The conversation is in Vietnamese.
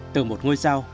từ một ngôi sao